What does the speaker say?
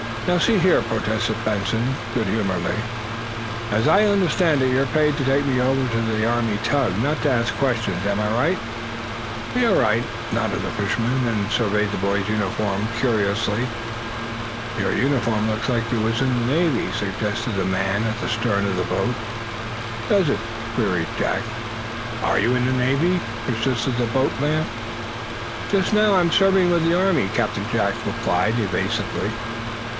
"Now, see here," protested Benson, good humoredly, "as I understand it, you're paid to take me over to the Army tug not to ask questions. Am I right?" "You're right," nodded the fisherman, then surveyed the boy's uniform curiously. "Your uniform looks like you was in the Navy?" suggested the man at the stern of the boat. "Does it?" queried Jack. "Are you in the Navy?" persisted the boat man. "Just now, I'm serving with the Army," Captain Jack replied, evasively.